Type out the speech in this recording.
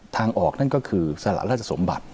ทางออกนั่นก็คือสละราชสมบัติ